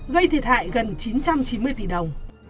gây thiệt hại gần chín trăm chín mươi tỷ đồng